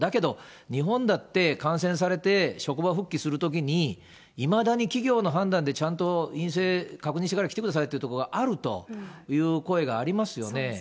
日本だって感染されて職場復帰するときにいまだに企業の判断でちゃんと陰性確認してから来てくださいというところがあるという声がありますよね。